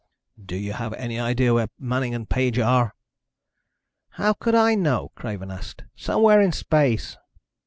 "Do you have any idea where Manning and Page are?" "How could I know?" Craven asked. "Somewhere in space."